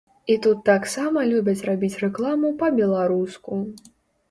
І тут таксама любяць рабіць рэкламу па-беларуску.